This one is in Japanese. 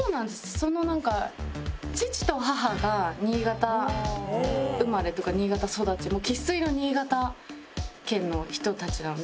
そのなんか父と母が新潟生まれっていうか新潟育ち生粋の新潟県の人たちなので。